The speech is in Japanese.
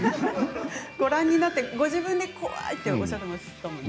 ご覧になってご自分で怖いとおっしゃってましたものね。